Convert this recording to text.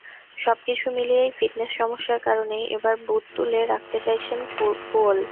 সবকিছু মিলিয়েই ফিটনেস সমস্যার কারণেই এবার বুট তুলে রাখতে চাইছেন পুয়োল।